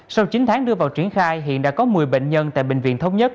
sau chín tháng đưa vào triển khai hiện đã có một mươi bệnh nhân tại bệnh viện thống nhất